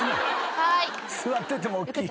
はい。